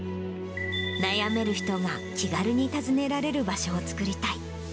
悩める人が気軽に訪ねられる場所を作りたい。